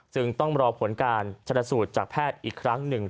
จึงต้องรอผลการชนสูตรจากแพทย์อีกครั้งหนึ่ง